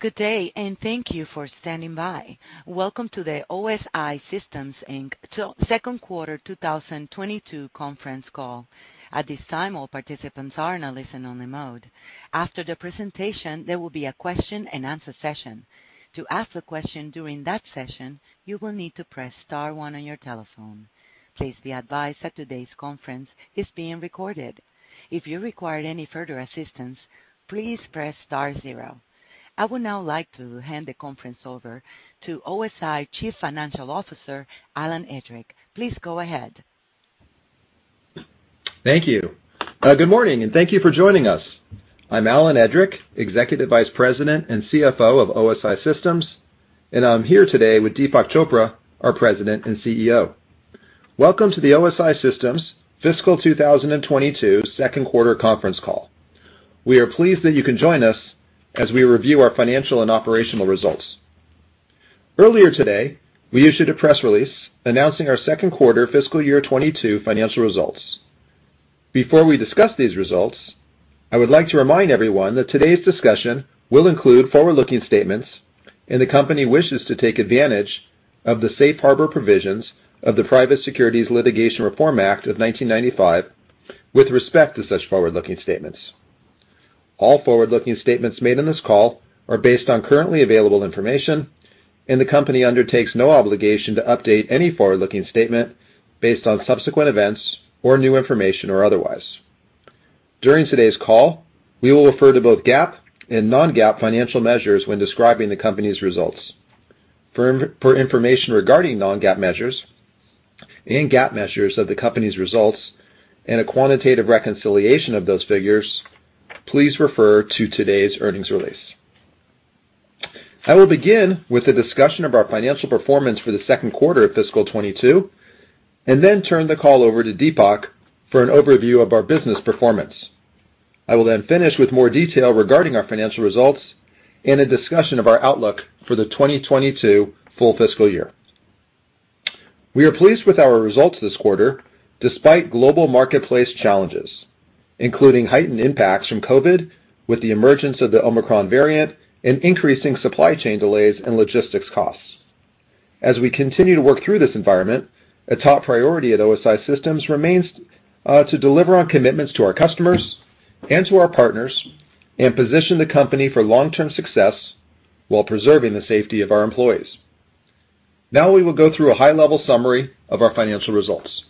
Good day, and thank you for standing by. Welcome to the OSI Systems, Inc. Second Quarter 2022 Conference Call. At this time, all participants are in a listen-only mode. After the presentation, there will be a question-and-answer session. To ask a question during that session, you will need to press star one on your telephone. Please be advised that today's conference is being recorded. If you require any further assistance, please press star zero. I would now like to hand the conference over to OSI Chief Financial Officer, Alan Edrick. Please go ahead. Thank you. Good morning, and thank you for joining us. I'm Alan Edrick, Executive Vice President and CFO of OSI Systems, and I'm here today with Deepak Chopra, our President and CEO. Welcome to the OSI Systems Fiscal 2022 Second Quarter Conference Call. We are pleased that you can join us as we review our financial and operational results. Earlier today, we issued a press release announcing our second quarter fiscal year 2022 financial results. Before we discuss these results, I would like to remind everyone that today's discussion will include forward-looking statements, and the company wishes to take advantage of the safe harbor provisions of the Private Securities Litigation Reform Act of 1995 with respect to such forward-looking statements. All forward-looking statements made on this call are based on currently available information, and the company undertakes no obligation to update any forward-looking statement based on subsequent events or new information or otherwise. During today's call, we will refer to both GAAP and non-GAAP financial measures when describing the company's results. For information regarding non-GAAP measures and GAAP measures of the company's results and a quantitative reconciliation of those figures, please refer to today's earnings release. I will begin with a discussion of our financial performance for the second quarter of fiscal 2022 and then turn the call over to Deepak for an overview of our business performance. I will then finish with more detail regarding our financial results and a discussion of our outlook for the 2022 full fiscal year. We are pleased with our results this quarter, despite global marketplace challenges, including heightened impacts from COVID with the emergence of the Omicron variant and increasing supply chain delays and logistics costs. As we continue to work through this environment, a top priority at OSI Systems remains to deliver on commitments to our customers and to our partners and position the company for long-term success while preserving the safety of our employees. Now we will go through a high-level summary of our financial results.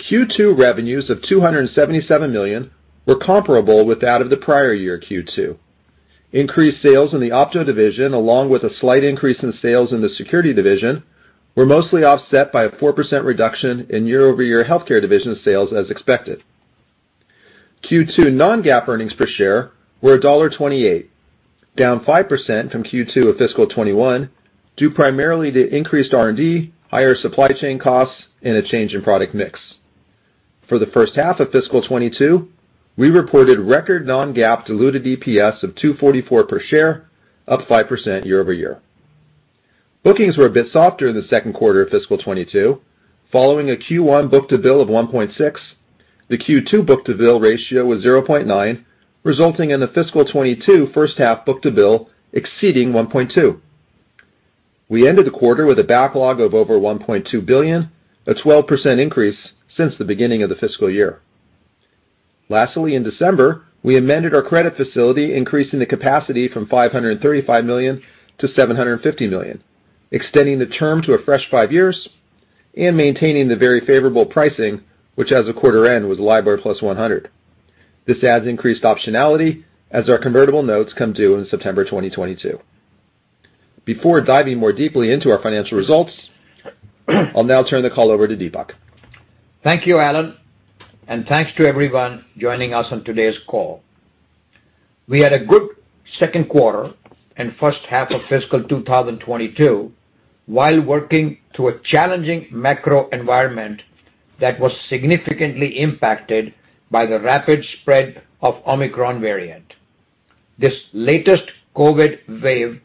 Q2 revenues of $277 million were comparable with that of the prior year Q2. Increased sales in the Opto division, along with a slight increase in sales in the Security division, were mostly offset by a 4% reduction in year-over-year Healthcare division sales, as expected. Q2 non-GAAP earnings per share were $0.28, down 5% from Q2 of fiscal 2021, due primarily to increased R&D, higher supply chain costs, and a change in product mix. For the first half of fiscal 2022, we reported record non-GAAP diluted EPS of $2.44 per share, up 5% year-over-year. Bookings were a bit softer in the second quarter of fiscal 2022. Following a Q1 book-to-bill of 1.6, the Q2 book-to-bill ratio was 0.9, resulting in the fiscal 2022 first half book-to-bill exceeding 1.2. We ended the quarter with a backlog of over $1.2 billion, a 12% increase since the beginning of the fiscal year. Lastly, in December, we amended our credit facility, increasing the capacity from $535 million to $750 million, extending the term to a fresh 5 years and maintaining the very favorable pricing, which as of quarter end, was LIBOR +100. This adds increased optionality as our convertible notes come due in September 2022. Before diving more deeply into our financial results, I'll now turn the call over to Deepak. Thank you, Alan, and thanks to everyone joining us on today's call. We had a good second quarter and first half of fiscal 2022 while working through a challenging macro environment that was significantly impacted by the rapid spread of Omicron variant. This latest COVID wave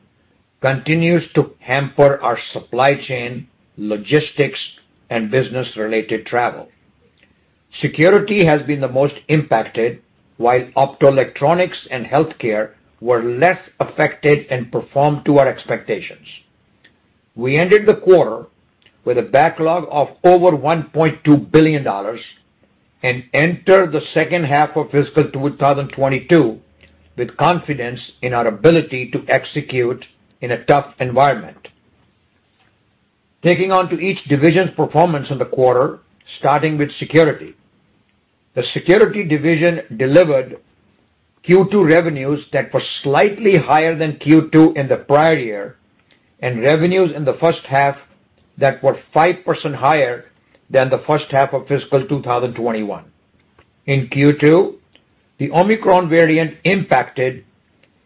continues to hamper our supply chain, logistics, and business-related travel. Security has been the most impacted, while Optoelectronics and Healthcare were less affected and performed to our expectations. We ended the quarter with a backlog of over $1.2 billion and enter the second half of fiscal 2022 with confidence in our ability to execute in a tough environment. Turning to each division's performance in the quarter, starting with Security. The Security division delivered Q2 revenues that were slightly higher than Q2 in the prior year and revenues in the first half that were 5% higher than the first half of fiscal 2021. In Q2, the Omicron variant impacted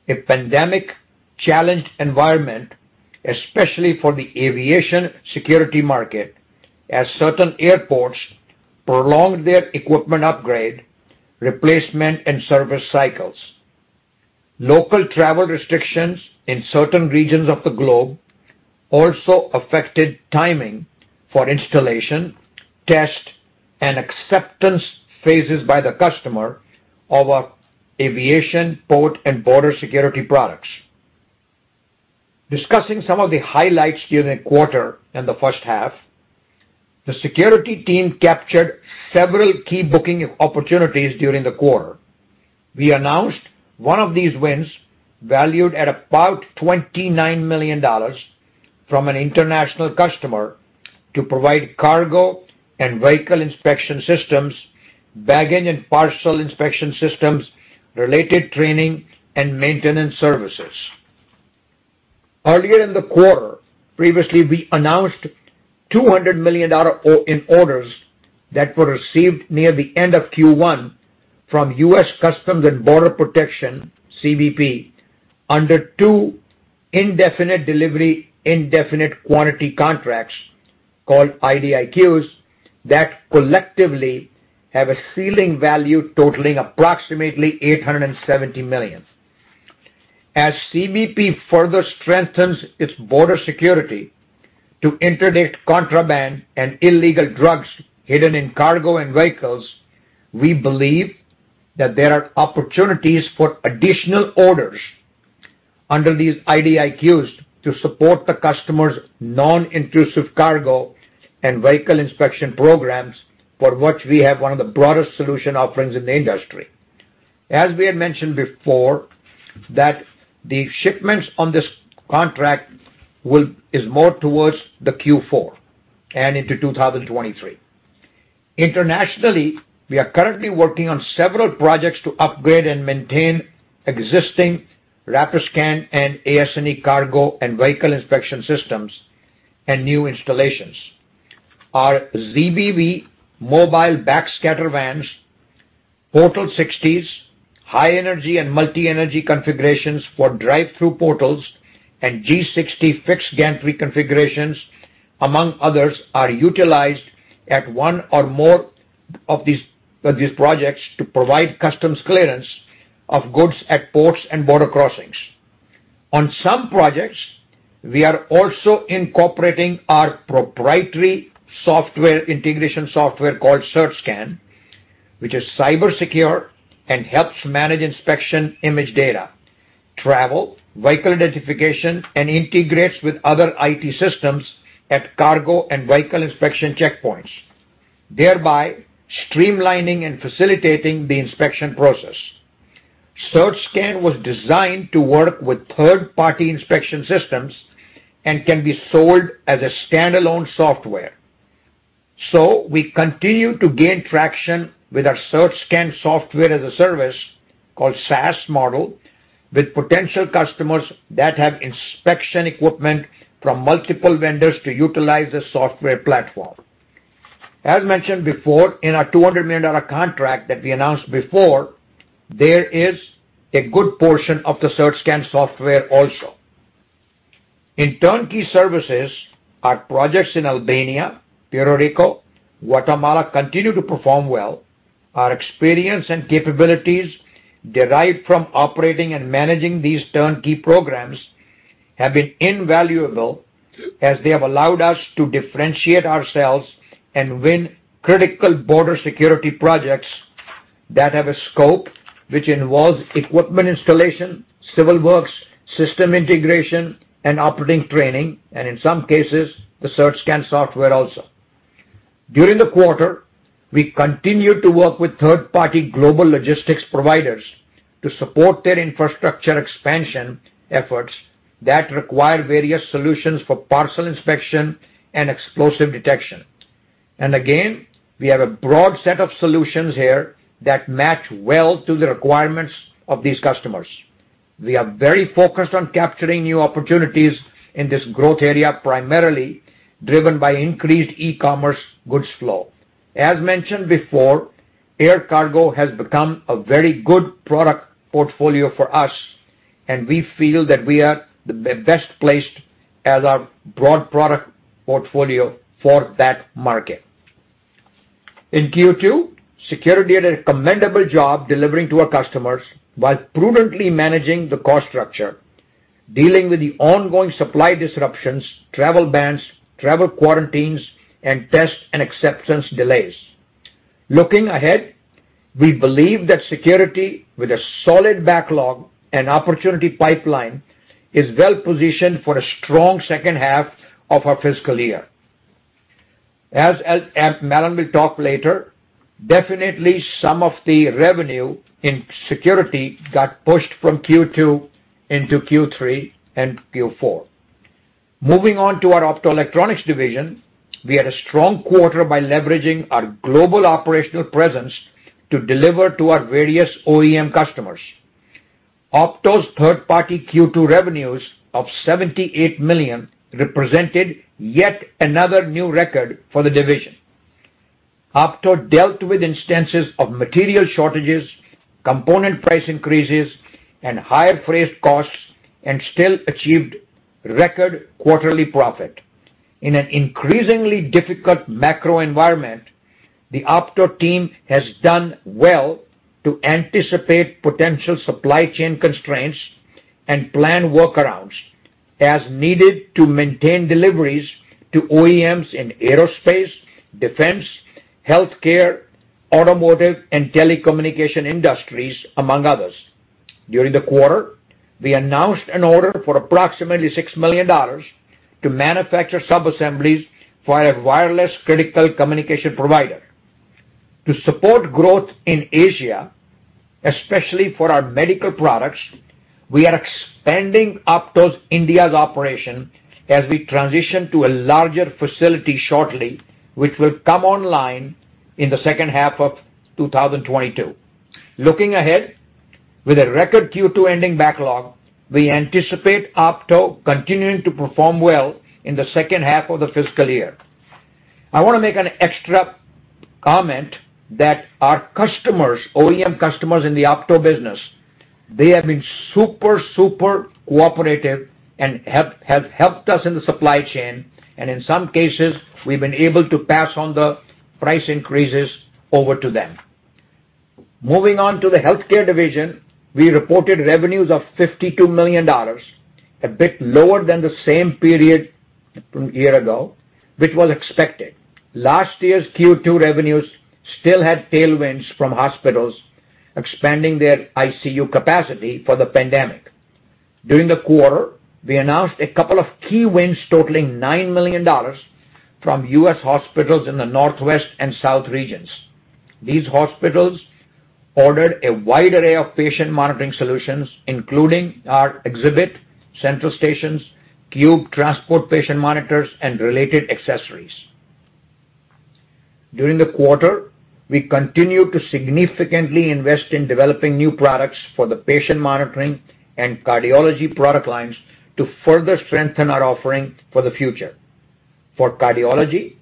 a pandemic-challenged environment, especially for the Aviation Security market, as certain airports prolonged their equipment upgrade, replacement, and service cycles. Local travel restrictions in certain regions of the globe. Also affected timing for installation, test, and acceptance phases by the customer of our aviation, port, and border security products. Discussing some of the highlights during the quarter and the first half, the Security team captured several key booking opportunities during the quarter. We announced one of these wins, valued at about $29 million from an international customer to provide cargo and vehicle inspection systems, baggage and parcel inspection systems, related training, and maintenance services. Earlier in the quarter, previously we announced $200 million orders that were received near the end of Q1 from U.S. Customs and Border Protection, CBP, under two indefinite delivery/indefinite quantity contracts called IDIQs that collectively have a ceiling value totaling approximately $870 million. As CBP further strengthens its border security to interdict contraband and illegal drugs hidden in cargo and vehicles, we believe that there are opportunities for additional orders under these IDIQs to support the customer's non-intrusive cargo and vehicle inspection programs, for which we have one of the broadest solution offerings in the industry. As we had mentioned before, that the shipments on this contract is more towards the Q4 and into 2023. Internationally, we are currently working on several projects to upgrade and maintain existing Rapiscan and AS&E cargo and vehicle inspection systems and new installations. Our ZBV mobile backscatter vans, Portal 6000s, high energy and multi-energy configurations for drive-through portals, and G60 fixed gantry configurations, among others, are utilized at one or more of these projects to provide customs clearance of goods at ports and border crossings. On some projects, we are also incorporating our proprietary software, integration software called CertScan, which is cyber secure and helps manage inspection image data, travel, vehicle identification, and integrates with other IT systems at cargo and vehicle inspection checkpoints, thereby streamlining and facilitating the inspection process. CertScan was designed to work with third-party inspection systems and can be sold as a standalone software. We continue to gain traction with our CertScan software as a service called SaaS model with potential customers that have inspection equipment from multiple vendors to utilize this software platform. As mentioned before, in our $200 million contract that we announced before, there is a good portion of the CertScan software also. In turnkey services, our projects in Albania, Puerto Rico, Guatemala continue to perform well. Our experience and capabilities derived from operating and managing these turnkey programs have been invaluable as they have allowed us to differentiate ourselves and win critical border security projects that have a scope which involves equipment installation, civil works, system integration, and operating training, and in some cases, the CertScan software also. During the quarter, we continued to work with third-party global logistics providers to support their infrastructure expansion efforts that require various solutions for parcel inspection and explosive detection. Again, we have a broad set of solutions here that match well to the requirements of these customers. We are very focused on capturing new opportunities in this growth area, primarily driven by increased e-commerce goods flow. As mentioned before, air cargo has become a very good product portfolio for us, and we feel that we are the best placed with our broad product portfolio for that market. In Q2, Security did a commendable job delivering to our customers while prudently managing the cost structure, dealing with the ongoing supply disruptions, travel bans, travel quarantines, and test and acceptance delays. Looking ahead, we believe that Security with a solid backlog and opportunity pipeline is well-positioned for a strong second half of our fiscal year. As Alan will talk later, definitely some of the revenue in Security got pushed from Q2 into Q3 and Q4. Moving on to our Optoelectronics division, we had a strong quarter by leveraging our global operational presence to deliver to our various OEM customers. Opto's third-party Q2 revenues of $78 million represented yet another new record for the division. Opto dealt with instances of material shortages, component price increases, and higher freight costs, and still achieved record quarterly profit. In an increasingly difficult macro environment. The Opto team has done well to anticipate potential supply chain constraints and plan workarounds as needed to maintain deliveries to OEMs in Aerospace, Defense, Healthcare, Automotive, and Telecommunications industries, among others. During the quarter, we announced an order for approximately $6 million to manufacture subassemblies for a wireless critical communication provider. To support growth in Asia, especially for our medical products, we are expanding Opto's India's operation as we transition to a larger facility shortly, which will come online in the second half of 2022. Looking ahead, with a record Q2 ending backlog, we anticipate Opto continuing to perform well in the second half of the fiscal year. I wanna make an extra comment that our customers, OEM customers in the Opto business, they have been super cooperative and have helped us in the supply chain, and in some cases, we've been able to pass on the price increases over to them. Moving on to the Healthcare division, we reported revenues of $52 million, a bit lower than the same period from a year ago, which was expected. Last year's Q2 revenues still had tailwinds from hospitals expanding their ICU capacity for the pandemic. During the quarter, we announced a couple of key wins totaling $9 million from U.S. hospitals in the Northwest and South regions. These hospitals ordered a wide array of patient monitoring solutions, including our Xhibit central stations, Qube transport patient monitors, and related accessories. During the quarter, we continued to significantly invest in developing new products for the patient monitoring and cardiology product lines to further strengthen our offering for the future. For cardiology,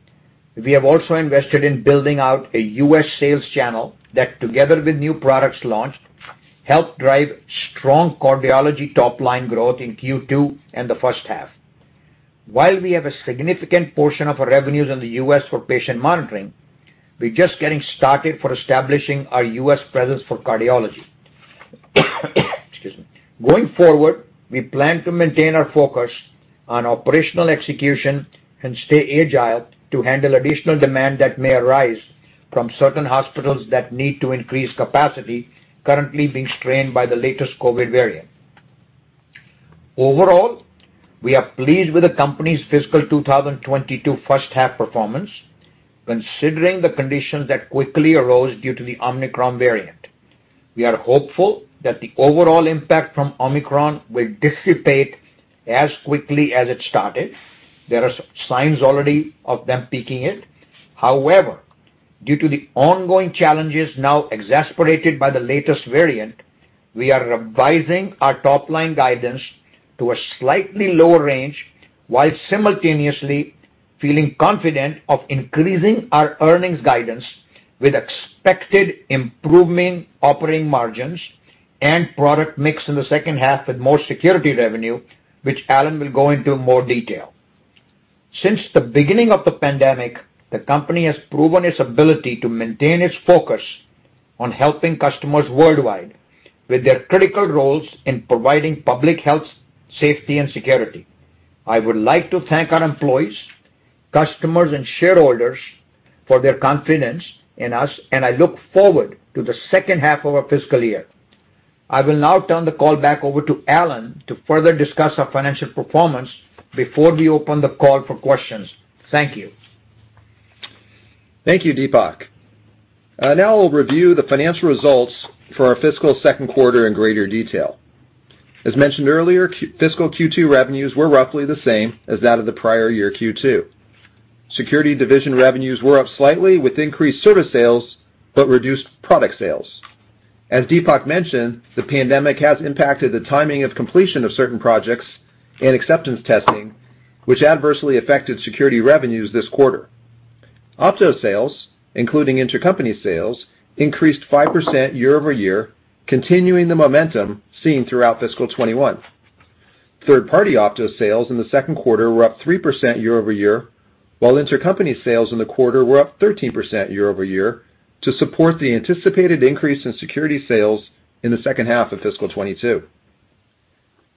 we have also invested in building out a U.S. sales channel that, together with new products launched, helped drive strong cardiology top-line growth in Q2 and the first half. While we have a significant portion of our revenues in the U.S. for patient monitoring, we're just getting started for establishing our U.S. presence for cardiology. Excuse me. Going forward, we plan to maintain our focus on operational execution and stay agile to handle additional demand that may arise from certain hospitals that need to increase capacity currently being strained by the latest COVID variant. Overall, we are pleased with the company's fiscal 2022 first half performance, considering the conditions that quickly arose due to the Omicron variant. We are hopeful that the overall impact from Omicron will dissipate as quickly as it started. There are signs already of it peaking. However, due to the ongoing challenges now exacerbated by the latest variant, we are revising our top-line guidance to a slightly lower range, while simultaneously feeling confident of increasing our earnings guidance with expected improving operating margins and product mix in the second half with more Security revenue, which Alan will go into more detail. Since the beginning of the pandemic, the company has proven its ability to maintain its focus on helping customers worldwide with their critical roles in providing public health, safety, and security. I would like to thank our employees, customers, and shareholders for their confidence in us, and I look forward to the second half of our fiscal year. I will now turn the call back over to Alan to further discuss our financial performance before we open the call for questions. Thank you. Thank you, Deepak. I now will review the financial results for our fiscal second quarter in greater detail. As mentioned earlier, fiscal Q2 revenues were roughly the same as that of the prior year Q2. Security division revenues were up slightly with increased service sales but reduced product sales. As Deepak mentioned, the pandemic has impacted the timing of completion of certain projects and acceptance testing, which adversely affected Security revenues this quarter. Opto sales, including intercompany sales, increased 5% year-over-year, continuing the momentum seen throughout fiscal 2021. Third-party Opto sales in the second quarter were up 3% year-over-year, while intercompany sales in the quarter were up 13% year-over-year to support the anticipated increase in Security sales in the second half of fiscal 2022.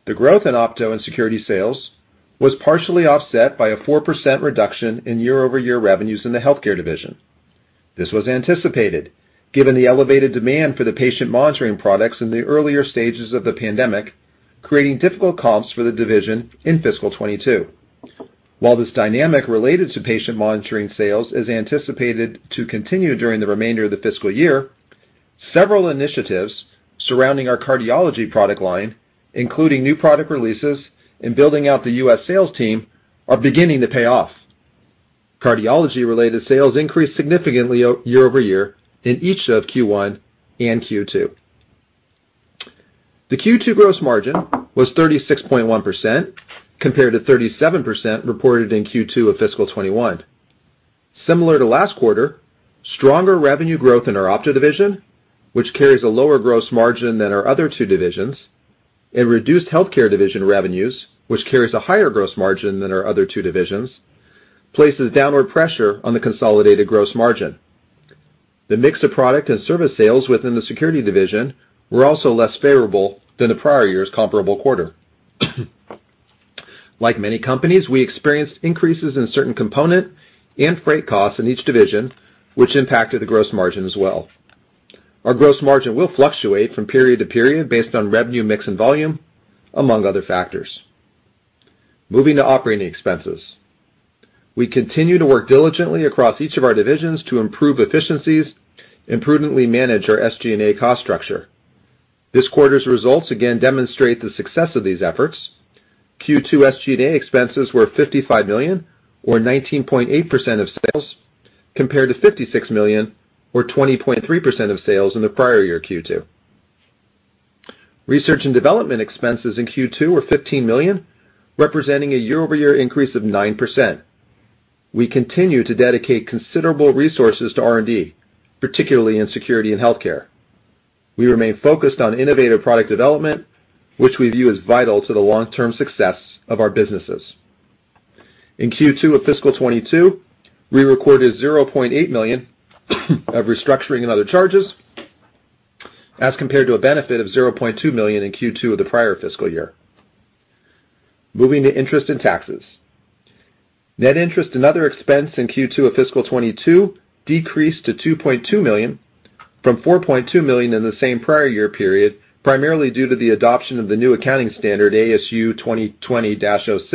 The growth in Opto and Security sales was partially offset by a 4% reduction in year-over-year revenues in the Healthcare division. This was anticipated given the elevated demand for the patient monitoring products in the earlier stages of the pandemic, creating difficult comps for the division in fiscal 2022. While this dynamic related to patient monitoring sales is anticipated to continue during the remainder of the fiscal year, several initiatives surrounding our cardiology product line, including new product releases and building out the U.S. sales team, are beginning to pay off. Cardiology-related sales increased significantly year-over-year in each of Q1 and Q2. The Q2 gross margin was 36.1% compared to 37% reported in Q2 of fiscal 2021. Similar to last quarter, stronger revenue growth in our Opto division, which carries a lower gross margin than our other two divisions. Reduced Healthcare division revenues, which carries a higher gross margin than our other two divisions, places downward pressure on the consolidated gross margin. The mix of product and service sales within the Security division were also less favorable than the prior year's comparable quarter. Like many companies, we experienced increases in certain component and freight costs in each division, which impacted the gross margin as well. Our gross margin will fluctuate from period to period based on revenue mix and volume, among other factors. Moving to operating expenses. We continue to work diligently across each of our divisions to improve efficiencies and prudently manage our SG&A cost structure. This quarter's results again demonstrate the success of these efforts. Q2 SG&A expenses were $55 million or 19.8% of sales, compared to $56 million or 20.3% of sales in the prior year Q2. Research and development expenses in Q2 were $15 million, representing a year-over-year increase of 9%. We continue to dedicate considerable resources to R&D, particularly in Security and Healthcare. We remain focused on innovative product development, which we view as vital to the long-term success of our businesses. In Q2 of fiscal 2022, we recorded $0.8 million of restructuring and other charges as compared to a benefit of $0.2 million in Q2 of the prior fiscal year. Moving to interest and taxes. Net interest and other expense in Q2 of fiscal 2022 decreased to $2.2 million from $4.2 million in the same prior year period, primarily due to the adoption of the new accounting standard ASU 2020-06,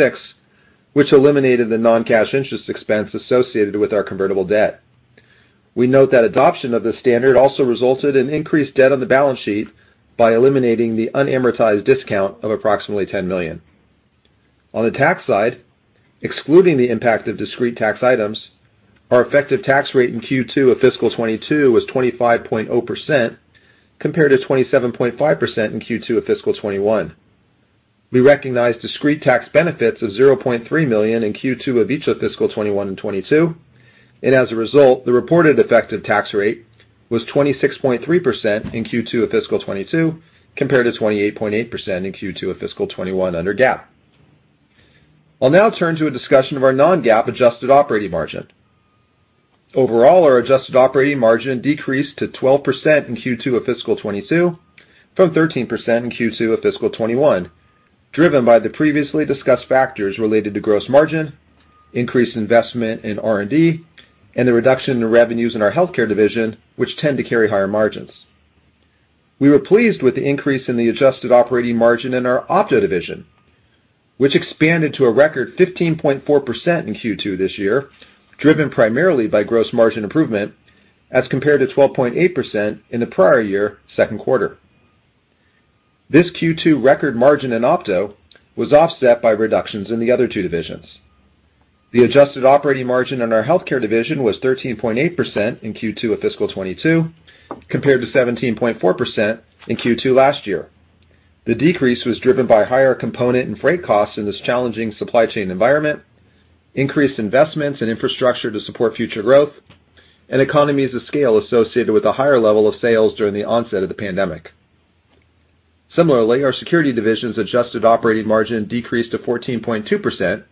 which eliminated the non-cash interest expense associated with our convertible debt. We note that adoption of the standard also resulted in increased debt on the balance sheet by eliminating the unamortized discount of approximately $10 million. On the tax side, excluding the impact of discrete tax items, our effective tax rate in Q2 of fiscal 2022 was 25.0%, compared to 27.5% in Q2 of fiscal 2021. We recognized discrete tax benefits of $0.3 million in Q2 of each of fiscal 2021 and 2022, and as a result, the reported effective tax rate was 26.3% in Q2 of fiscal 2022, compared to 28.8% in Q2 of fiscal 2021 under GAAP. I'll now turn to a discussion of our non-GAAP adjusted operating margin. Overall, our adjusted operating margin decreased to 12% in Q2 of fiscal 2022 from 13% in Q2 of fiscal 2021, driven by the previously discussed factors related to gross margin, increased investment in R&D, and the reduction in revenues in our Healthcare division, which tend to carry higher margins. We were pleased with the increase in the adjusted operating margin in our Opto division, which expanded to a record 15.4% in Q2 this year, driven primarily by gross margin improvement, as compared to 12.8% in the prior year, second quarter. This Q2 record margin in Opto was offset by reductions in the other two divisions. The adjusted operating margin in our Healthcare division was 13.8% in Q2 of fiscal 2022, compared to 17.4% in Q2 last year. The decrease was driven by higher component and freight costs in this challenging supply chain environment, increased investments in infrastructure to support future growth, and economies of scale associated with a higher level of sales during the onset of the pandemic. Similarly, our Security division's adjusted operating margin decreased to 14.2%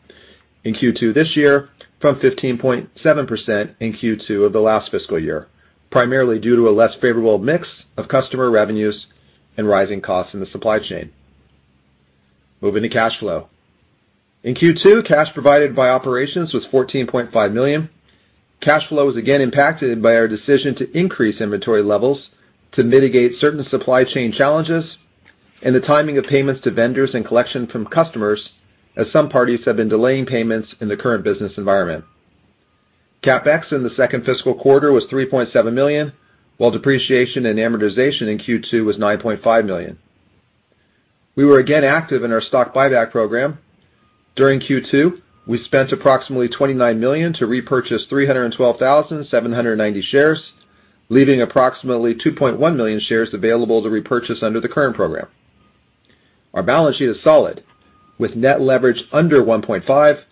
in Q2 this year, from 15.7% in Q2 of the last fiscal year, primarily due to a less favorable mix of customer revenues and rising costs in the supply chain. Moving to cash flow. In Q2, cash provided by operations was $14.5 million. Cash flow was again impacted by our decision to increase inventory levels to mitigate certain supply chain challenges and the timing of payments to vendors and collection from customers, as some parties have been delaying payments in the current business environment. CapEx in the second fiscal quarter was $3.7 million, while depreciation and amortization in Q2 was $9.5 million. We were again active in our stock buyback program. During Q2, we spent approximately $29 million to repurchase 312,790 shares, leaving approximately 2.1 million shares available to repurchase under the current program. Our balance sheet is solid, with net leverage under 1.5,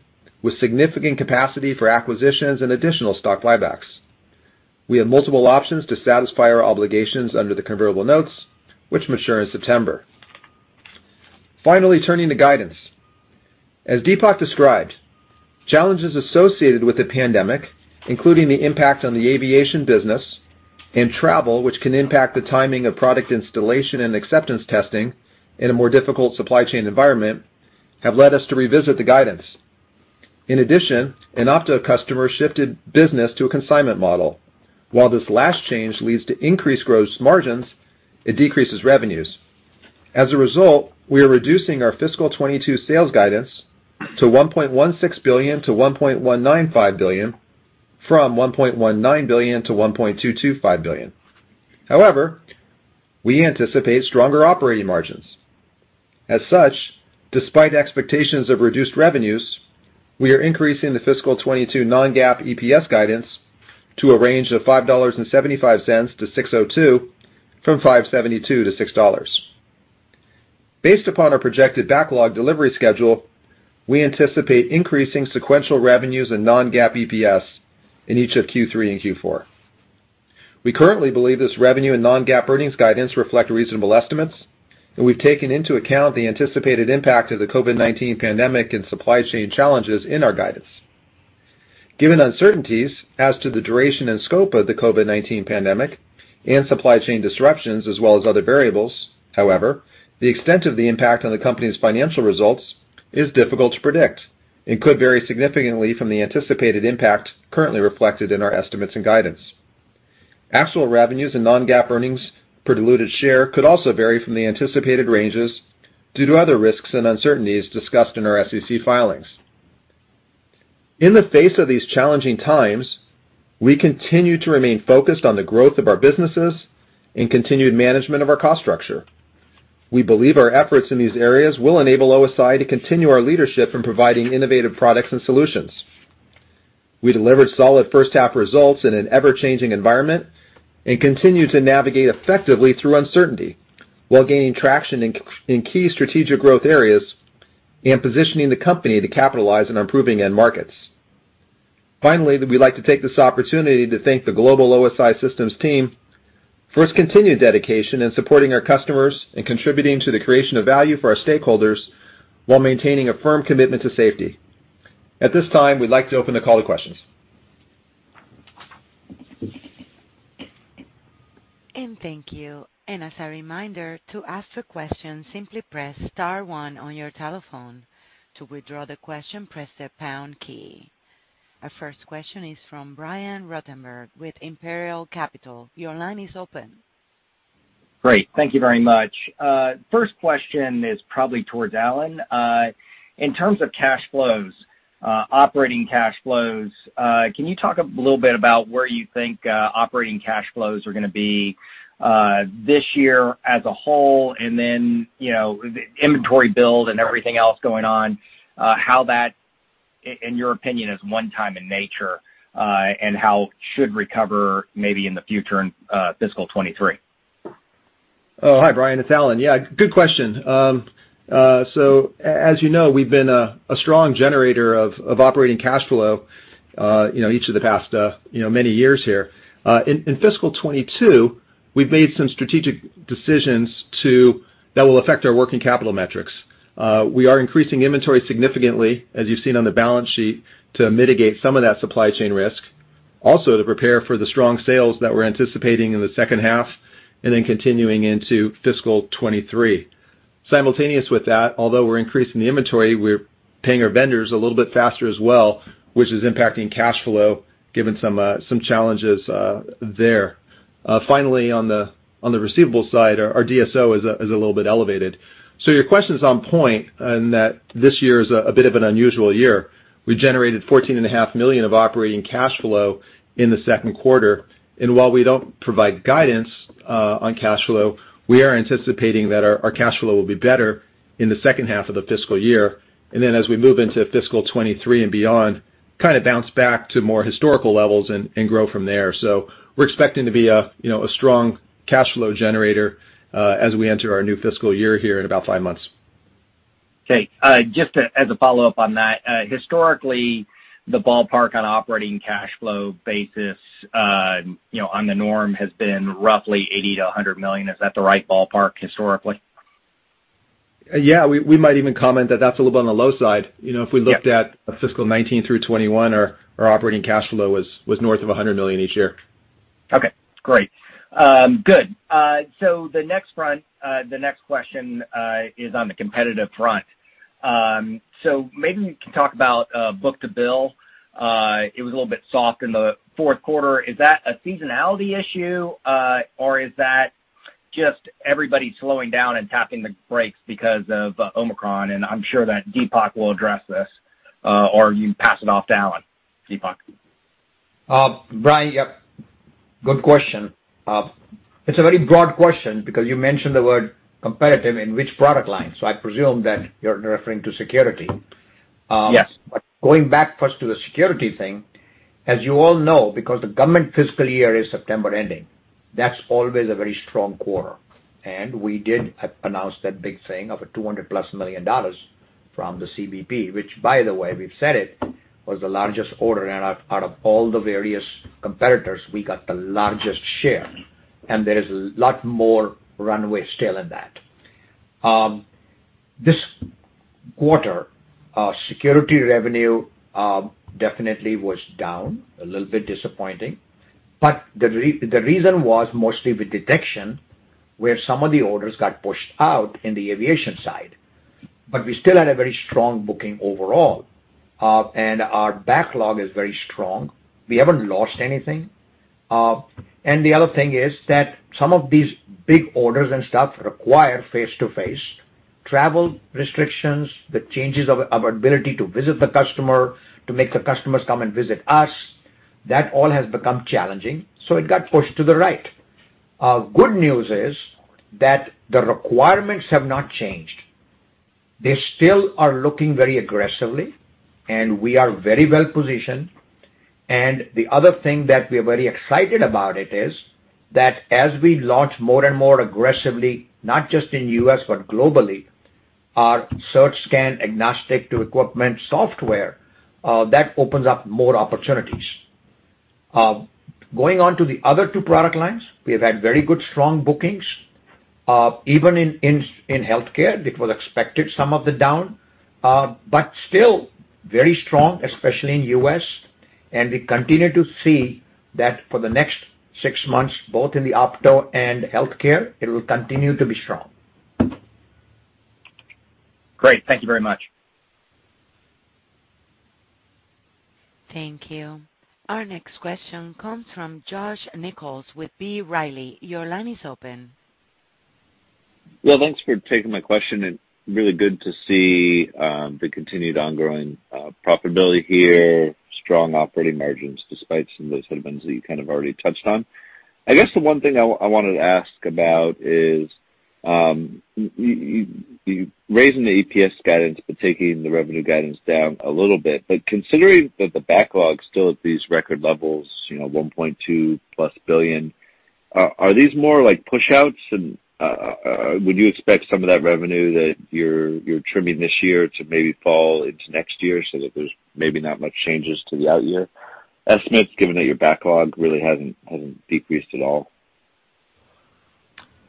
with significant capacity for acquisitions and additional stock buybacks. We have multiple options to satisfy our obligations under the convertible notes, which mature in September. Finally, turning to guidance. As Deepak described, challenges associated with the pandemic, including the impact on the aviation business and travel, which can impact the timing of product installation and acceptance testing in a more difficult supply chain environment, have led us to revisit the guidance. In addition, an Opto customer shifted business to a consignment model. While this last change leads to increased gross margins, it decreases revenues. As a result, we are reducing our fiscal 2022 sales guidance to $1.16 billion to $1.195 billion, from $1.19 billion to $1.225 billion. However, we anticipate stronger operating margins. As such, despite expectations of reduced revenues, we are increasing the fiscal 2022 non-GAAP EPS guidance to a range of $5.75-$6.02 from $5.72-$6. Based upon our projected backlog delivery schedule, we anticipate increasing sequential revenues and non-GAAP EPS in each of Q3 and Q4. We currently believe this revenue and non-GAAP earnings guidance reflect reasonable estimates, and we've taken into account the anticipated impact of the COVID-19 pandemic and supply chain challenges in our guidance. Given uncertainties as to the duration and scope of the COVID-19 pandemic and supply chain disruptions as well as other variables, however, the extent of the impact on the company's financial results is difficult to predict and could vary significantly from the anticipated impact currently reflected in our estimates and guidance. Actual revenues and non-GAAP earnings per diluted share could also vary from the anticipated ranges due to other risks and uncertainties discussed in our SEC filings. In the face of these challenging times, we continue to remain focused on the growth of our businesses and continued management of our cost structure. We believe our efforts in these areas will enable OSI to continue our leadership in providing innovative products and solutions. We delivered solid first half results in an ever-changing environment and continue to navigate effectively through uncertainty while gaining traction in key strategic growth areas and positioning the company to capitalize on improving end markets. Finally, we'd like to take this opportunity to thank the global OSI Systems team for its continued dedication in supporting our customers and contributing to the creation of value for our stakeholders while maintaining a firm commitment to safety. At this time, we'd like to open the call to questions. Thank you. As a reminder, to ask a question, simply press star one on your telephone. To withdraw the question, press the pound key. Our first question is from Brian Ruttenbur with Imperial Capital. Your line is open. Great. Thank you very much. First question is probably towards Alan. In terms of cash flows, operating cash flows, can you talk a little bit about where you think operating cash flows are gonna be this year as a whole and then, you know, inventory build and everything else going on, how that, in your opinion, is one time in nature, and how it should recover maybe in the future in fiscal 2023? Hi, Brian, it's Alan. God question. As you know, we've been a strong generator of operating cash flow, you know, each of the past many years here. In fiscal 2022, we've made some strategic decisions that will affect our working capital metrics. We are increasing inventory significantly, as you've seen on the balance sheet, to mitigate some of that supply chain risk, also to prepare for the strong sales that we're anticipating in the second half and then continuing into fiscal 2023. Simultaneously with that, although we're increasing the inventory, we're paying our vendors a little bit faster as well, which is impacting cash flow, given some challenges there. Finally, on the receivable side, our DSO is a little bit elevated. Your question's on point in that this year is a bit of an unusual year. We generated $14.5 million of operating cash flow in the second quarter. While we don't provide guidance on cash flow, we are anticipating that our cash flow will be better in the second half of the fiscal year. As we move into fiscal 2023 and beyond bounce back to more historical levels and grow from there. We're expecting to be a, you know, a strong cash flow generator as we enter our new fiscal year here in about 5 months. Okay. As a follow-up on that, historically, the ballpark on operating cash flow basis, you know, on the norm, has been roughly $80 million to $100 million. Is that the right ballpark historically? We might even comment that that's a little bit on the low side. If we looked at fiscal 2019 through 2021, our operating cash flow was north of $100 million each year. Okay, great. Good. So the next question is on the competitive front. So maybe we can talk about book-to-bill. It was a little bit soft in the fourth quarter. Is that a seasonality issue, or is that just everybody slowing down and tapping the brakes because of Omicron? I'm sure that Deepak will address this, or you pass it off to Alan, Deepak. Brian, good question. It's a very broad question because you mentioned the word competitive in which product line, so I presume that you're referring to Security. Yes. Going back first to the Security thing, as you all know, because the government fiscal year is September ending, that's always a very strong quarter. We did announce that big thing of $200+ million from the CBP, which by the way, we've said it, was the largest order. Out of all the various competitors, we got the largest share, and there is a lot more runway still in that. This quarter, Security revenue definitely was down, a little bit disappointing, but the reason was mostly with detection, where some of the orders got pushed out in the aviation side. We still had a very strong booking overall, and our backlog is very strong. We haven't lost anything. The other thing is that some of these big orders and stuff require face-to-face. Travel restrictions, the changes of ability to visit the customer, to make the customers come and visit us, that all has become challenging, so it got pushed to the right. Good news is that the requirements have not changed. They still are looking very aggressively, and we are very well positioned. The other thing that we're very excited about it is that as we launch more and more aggressively, not just in U.S., but globally. Our CertScan agnostic to equipment software, that opens up more opportunities. Going on to the other two product lines, we have had very good strong bookings, even in Healthcare. It was expected some of the down, but still very strong, especially in U.S. We continue to see that for the next six months, both in the Opto and Healthcare, it will continue to be strong. Great. Thank you very much. Thank you. Our next question comes from Josh Nichols with B. Riley. Your line is open. Well, thanks for taking my question, and really good to see the continued ongoing profitability here, strong operating margins despite some of the headwinds that you kind of already touched on. I guess the one thing I wanted to ask about is you raising the EPS guidance, but taking the revenue guidance down a little bit. Considering that the backlog's still at these record levels, you know, $1.2+ billion, are these more like push-outs and would you expect some of that revenue that you're trimming this year to maybe fall into next year so that there's maybe not much changes to the out-year estimates, given that your backlog really hasn't decreased at all?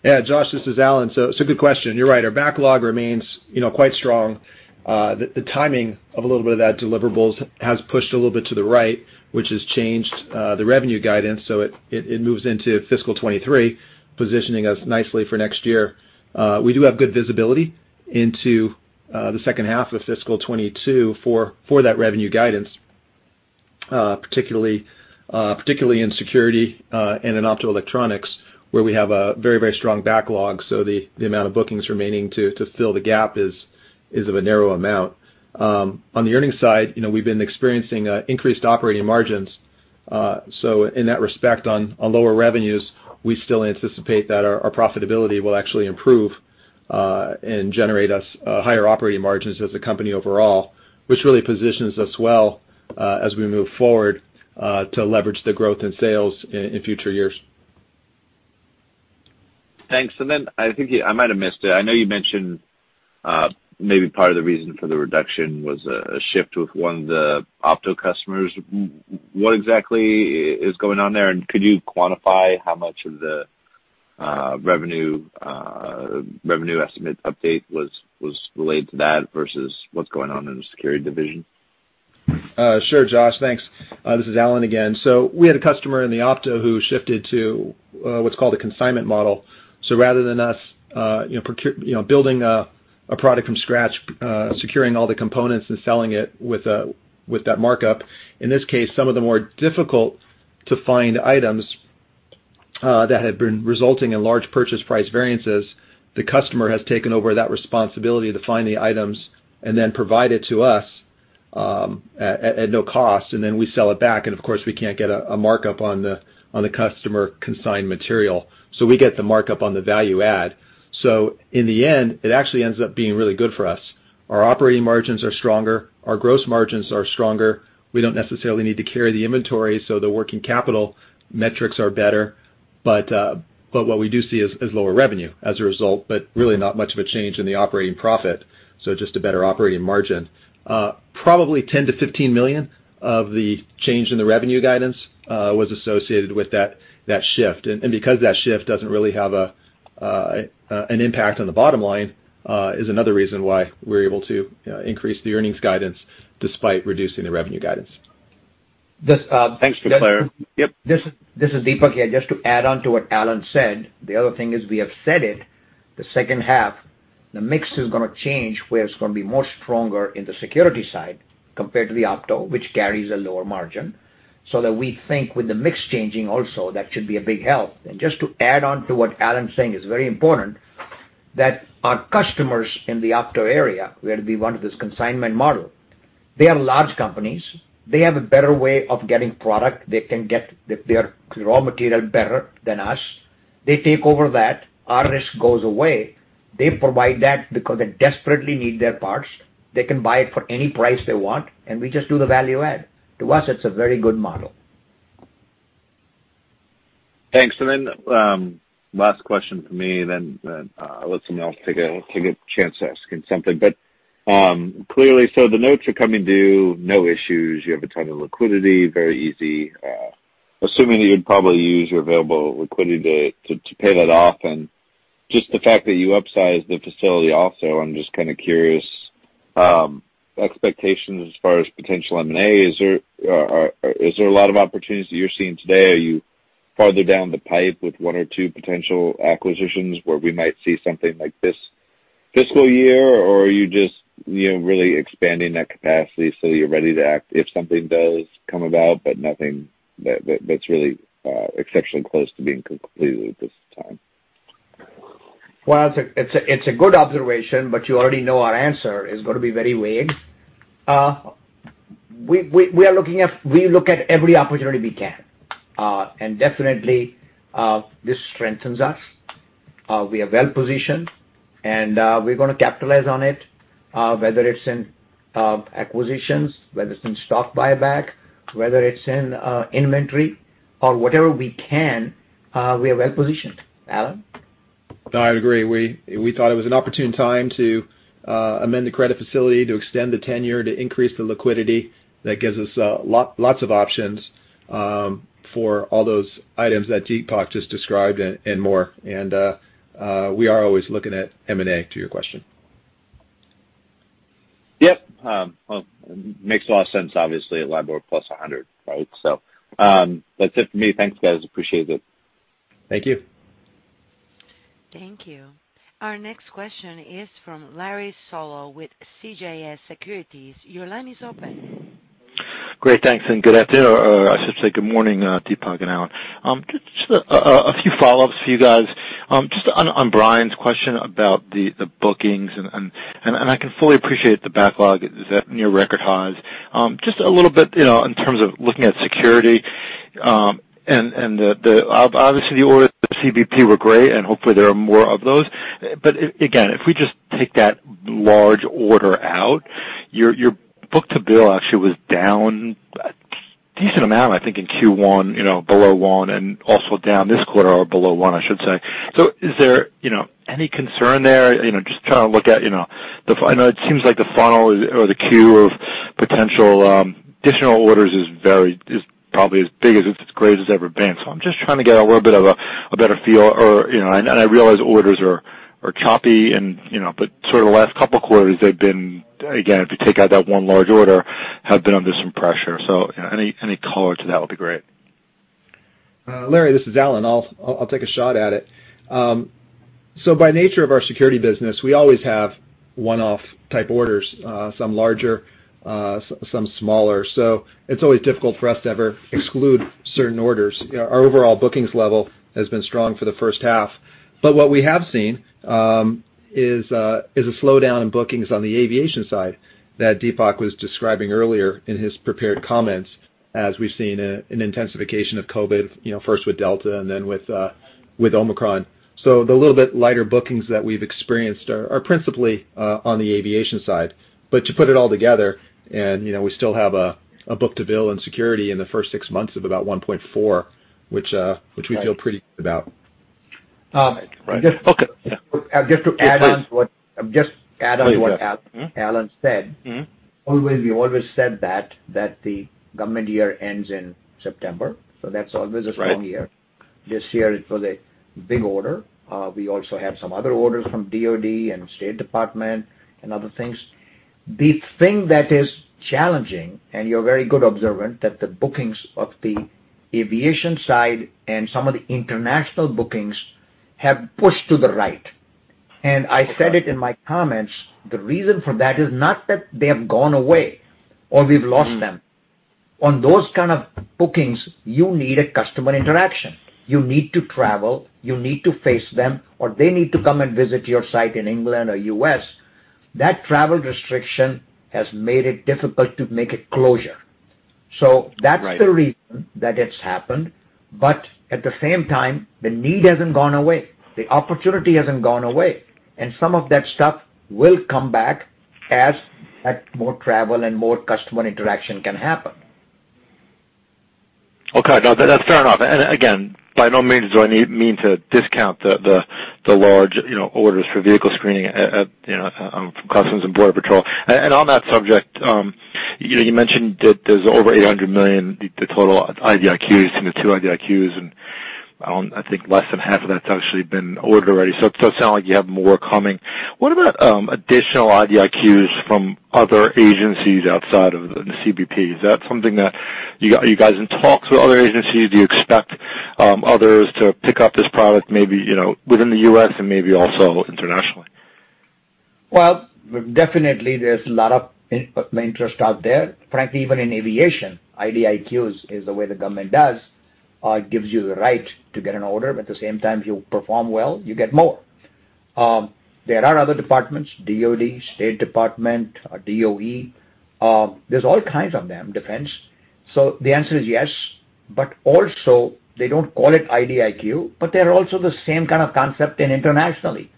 Josh, this is Alan. It's a good question. You're right. Our backlog remains, you know, quite strong. The timing of a little bit of that deliverables has pushed a little bit to the right, which has changed the revenue guidance, it moves into fiscal 2023, positioning us nicely for next year. We do have good visibility into the second half of fiscal 2022 for that revenue guidance, particularly in Security and in Optoelectronics, where we have a very strong backlog, the amount of bookings remaining to fill the gap is of a narrow amount. On the earnings side, you know, we've been experiencing increased operating margins. In that respect, on lower revenues, we still anticipate that our profitability will actually improve and generate us higher operating margins as a company overall, which really positions us well as we move forward to leverage the growth in sales in future years. Thanks. I think I might have missed it. I know you mentioned maybe part of the reason for the reduction was a shift with one of the Opto customers. What exactly is going on there? Could you quantify how much of the revenue estimate update was related to that versus what's going on in the Security division? Sure, Josh. Thanks. This is Alan again. We had a customer in the Opto who shifted to what's called a consignment model. Rather than us, you know, building a product from scratch, securing all the components and selling it with that markup, in this case, some of the more difficult to find items that had been resulting in large purchase price variances, the customer has taken over that responsibility to find the items and then provide it to us at no cost, and then we sell it back. Of course, we can't get a markup on the customer-consigned material. We get the markup on the value add. In the end, it actually ends up being really good for us. Our operating margins are stronger. Our gross margins are stronger. We don't necessarily need to carry the inventory, so the working capital metrics are better. What we do see is lower revenue as a result, but really not much of a change in the operating profit, so just a better operating margin. Probably $10 million to $15 million of the change in the revenue guidance was associated with that shift. Because that shift doesn't really have an impact on the bottom line is another reason why we're able to increase the earnings guidance despite reducing the revenue guidance. Thanks for the color. Yep. This is Deepak here. Just to add on to what Alan said, the other thing is we have said it, the second half, the mix is gonna change, where it's gonna be more stronger in the Security side compared to the Opto, which carries a lower margin. That we think with the mix changing also, that should be a big help. Just to add on to what Alan's saying, it's very important that our customers in the Opto area, where we wanted this consignment model, they are large companies. They have a better way of getting product. They can get their raw material better than us. They take over that. Our risk goes away. They provide that because they desperately need their parts. They can buy it for any price they want, and we just do the value add. To us, it's a very good model. Thanks. Last question from me, and then I'll let someone else take a chance asking something. Clearly, the notes are coming due, no issues. You have a ton of liquidity, very easy. Assuming that you'd probably use your available liquidity to pay that off, and just the fact that you upsized the facility also, I'm just curious, expectations as far as potential M&A. Is there a lot of opportunities that you're seeing today? Are you farther down the pipe with one or two potential acquisitions where we might see something like this fiscal year? Are you just, you know, really expanding that capacity so you're ready to act if something does come about, but nothing that's really exceptionally close to being concluded at this time? Well, it's a good observation, but you already know our answer. It's gonna be very vague. We look at every opportunity we can. Definitely, this strengthens us. We are well-positioned, and we're gonna capitalize on it. Whether it's in acquisitions, whether it's in stock buyback, whether it's in inventory or whatever we can, we are well-positioned. Alan? No, I'd agree. We thought it was an opportune time to amend the credit facility, to extend the tenure, to increase the liquidity. That gives us lots of options for all those items that Deepak just described and more. We are always looking at M&A to your question. Yep. Well, makes a lot of sense, obviously, at LIBOR +100, right? That's it for me. Thanks, guys, appreciate it. Thank you. Thank you. Our next question is from Larry Solow with CJS Securities. Your line is open. Great. Thanks, and good afternoon, or I should say good morning, Deepak and Alan. Just a few follow-ups for you guys. Just on Brian's question about the bookings and I can fully appreciate the backlog is at near record highs. Just a little bit, in terms of looking at Security and obviously the orders at CBP were great, and hopefully, there are more of those. Again, if we just take that large order out, your book-to-bill actually was down a decent amount, I think, in Q1, you know, below one, and also down this quarter or below one, I should say. Is there, you know, any concern there? Just trying to look at, I know it seems like the funnel or the queue of potential additional orders is very probably as big as it's greatest ever been. So I'm just trying to get a little bit of a better feel and I realize orders are choppy but the last couple of quarters, they've been, again, if you take out that one large order, have been under some pressure. So any color to that would be great. Larry, this is Alan. I'll take a shot at it. By nature of our Security business, we always have one-off type orders, some larger, some smaller. It's always difficult for us to ever exclude certain orders. Our overall bookings level has been strong for the first half. What we have seen is a slowdown in bookings on the aviation side that Deepak was describing earlier in his prepared comments as we've seen an intensification of COVID, you know, first with Delta and then with Omicron. The little bit lighter bookings that we've experienced are principally on the aviation side. To put it all together and we still have a book-to-bill in Security in the first six months of about 1.4x, which we feel pretty good about. Right. Okay. Just to add on to what Alan said. We always said that the government year ends in September, so that's always a strong year. This year it was a big order. We also have some other orders from DoD and State Department and other things. The thing that is challenging, and you're very good observant, that the bookings of the aviation side and some of the international bookings have pushed to the right. I said it in my comments, the reason for that is not that they have gone away or we've lost them. On those kind of bookings, you need a customer interaction. You need to travel, you need to face them, or they need to come and visit your site in England or U.S. That travel restriction has made it difficult to make a closure. That's the reason that it's happened. At the same time, the need hasn't gone away, the opportunity hasn't gone away, and some of that stuff will come back as more travel and more customer interaction can happen. Okay. No, that's fair enough. Again, by no means do I mean to discount the large, you know, orders for vehicle screening at, you know, Customs and Border Protection. On that subject, you know, you mentioned that there's over $800 million, the total IDIQs from the two IDIQs, and I think less than half of that's actually been ordered already. It does sound like you have more coming. What about additional IDIQs from other agencies outside of the CBP? Is that something that you guys in talks with other agencies? Do you expect others to pick up this product maybe, you know, within the U.S. and maybe also internationally? Well, definitely there's a lot of interest out there, frankly, even in aviation. IDIQs is the way the government does, gives you the right to get an order, but at the same time, if you perform well, you get more. There are other departments, DoD, State Department, DOE, there's all kinds of them, defense. So the answer is yes, but also they don't call it IDIQ, but they're also the same kind of concept internationally.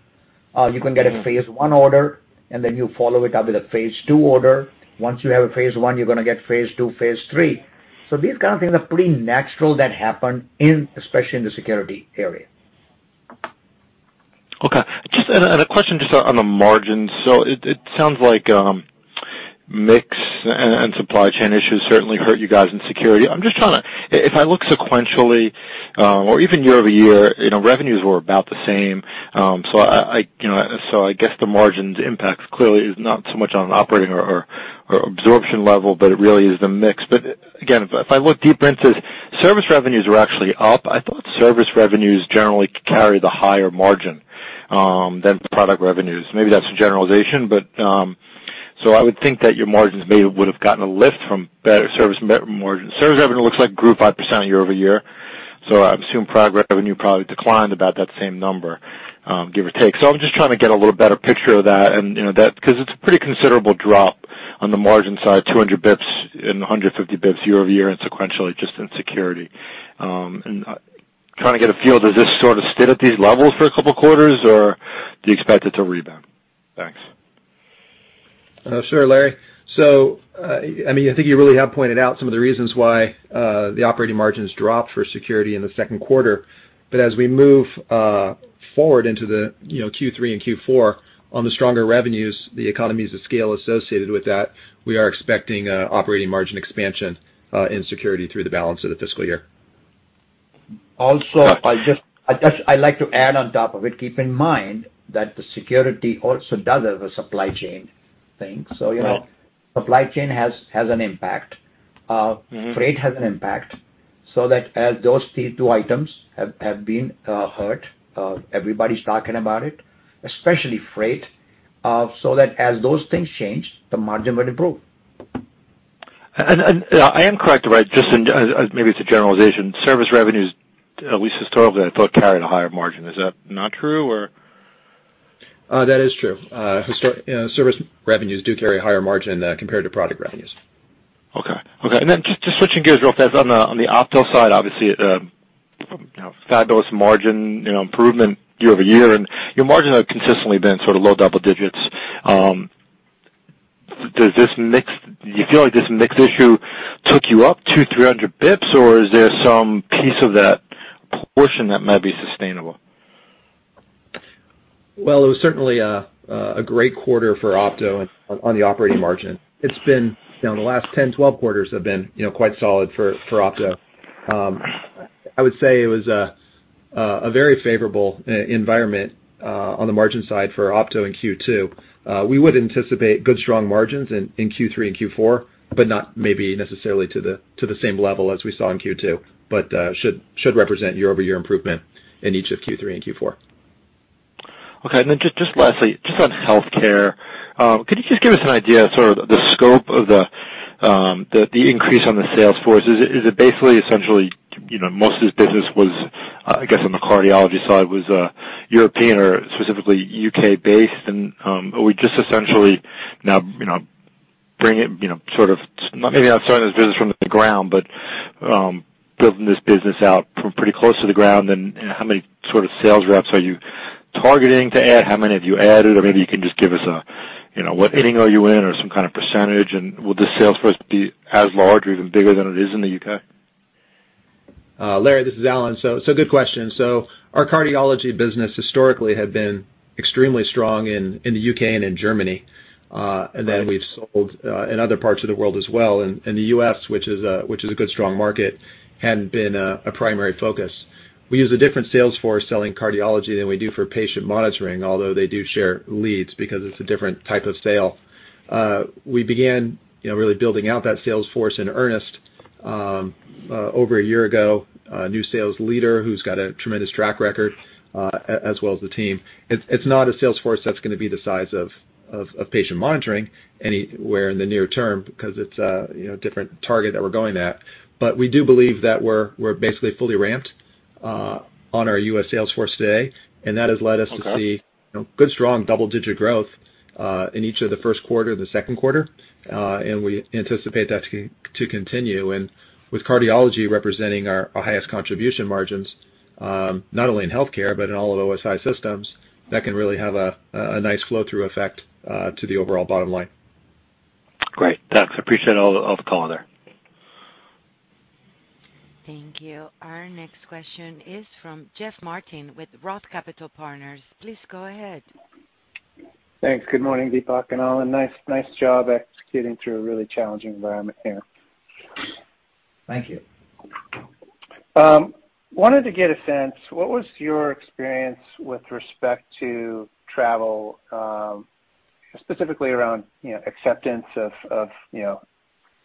You can get a phase I order, and then you follow it up with a phase II order. Once you have a phase I, you're gonna get phase II, phase III So these kind of things are pretty natural that happen in, especially in the Security area. Just a question on the margins. It sounds like mix and supply chain issues certainly hurt you guys in Security. If I look sequentially or even year-over-year, you know, revenues were about the same. The margins impact clearly is not so much on operating or absorption level, but it really is the mix. Again, if I look deeper into this, service revenues were actually up. I thought service revenues generally carry the higher margin than product revenues. Maybe that's a generalization, but so I would think that your margins maybe would have gotten a lift from better service margins. Service revenue looks like grew 5% year-over-year. I assume product revenue probably declined about that same number, give or take. I'm just trying to get a little better picture of that and, you know, that, because it's a pretty considerable drop on the margin side, 200 basis points and 150 basis points year-over-year and sequentially just in Security. Trying to get a feel, does this sort of stay at these levels for a couple quarters or do you expect it to rebound? Thanks. Sure, Larry. I mean, I think you really have pointed out some of the reasons why the operating margins dropped for Security in the second quarter. As we move forward into the, you know, Q3 and Q4 on the stronger revenues, the economies of scale associated with that, we are expecting operating margin expansion in Security through the balance of the fiscal year. Also, I just like to add on top of it. Keep in mind that the Security also does have a supply chain thing. You know, supply chain has an impact. Freight has an impact. That as those these two items have been hurt, everybody's talking about it, especially freight, so that as those things change, the margin will improve. I am correct, right, just in, maybe it's a generalization, service revenues, at least historically, I thought, carried a higher margin. Is that not true or? That is true. Service revenues do carry a higher margin, compared to product revenues. Just switching gears real fast on the Opto side, obviously, you know, fabulous margin, you know, improvement year-over-year, and your margin had consistently been sort of low double digits. Do you feel like this mix issue took you up 200-300 basis points, or is there some piece of that portion that might be sustainable? Well, it was certainly a great quarter for Opto on the operating margin. It's been, you know, in the last 10-12 quarters have been, you know, quite solid for Opto. I would say it was a very favorable environment on the margin side for Opto in Q2. We would anticipate good, strong margins in Q3 and Q4, but not maybe necessarily to the same level as we saw in Q2. It should represent year-over-year improvement in each of Q3 and Q4. Okay. Then just lastly, just on Healthcare, could you just give us an idea of sort of the scope of the increase on the sales force? Is it basically essentially, you know, most of this business was, I guess on the cardiology side, European or specifically U.K. based? Are we just essentially now, you know, bringing, you know, sort of maybe not starting this business from the ground, but building this business out from pretty close to the ground and how many sort of sales reps are you targeting to add? How many have you added? Or maybe you can just give us a, you know, what inning are you in or some kind of percentage, and will the sales force be as large or even bigger than it is in the U.K.? Larry, this is Alan. Good question. Our cardiology business historically had been extremely strong in the U.K. and in Germany. We've sold in other parts of the world as well. In the U.S., which is a good, strong market, it hadn't been a primary focus. We use a different sales force selling cardiology than we do for patient monitoring, although they do share leads because it's a different type of sale. We began, you know, really building out that sales force in earnest over a year ago. A new sales leader who's got a tremendous track record as well as the team. It's not a sales force that's gonna be the size of patient monitoring anywhere in the near term because it's a, you know, different target that we're going at. We do believe that we're basically fully ramped on our U.S. sales force today, and that has led us to see, you know, good, strong double-digit growth in each of the first quarter, the second quarter. We anticipate that to continue. With cardiology representing our highest contribution margins, not only in Healthcare, but in all of OSI Systems, that can really have a nice flow through effect to the overall bottom line. Great. Thanks. I appreciate all the color. Thank you. Our next question is from Jeff Martin with Roth Capital Partners. Please go ahead. Thanks. Good morning, Deepak and Alan. Nice job executing through a really challenging environment here. Thank you. I wanted to get a sense of what your experience was with respect to travel, specifically around acceptance of